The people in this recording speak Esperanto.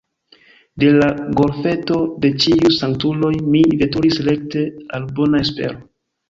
De la Golfeto de Ĉiuj Sanktuloj mi veturis rekte al Bona Espero.